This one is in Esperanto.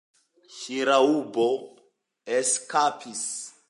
Ŝraŭbo eskapis.